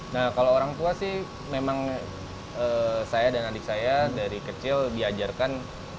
nah kalau orang tua sih memang saya dan adik saya dari kecil diajarkan